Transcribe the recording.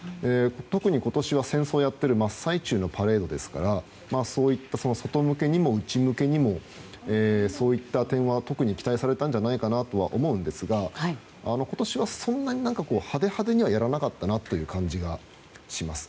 特に今年は戦争をやっている真っ最中のパレードですからそういった外向けにも内向けにもそういった点は特に期待されたんじゃないかなとは思うんですが今年はそんなに派手派手にはやらなかったという感じがします。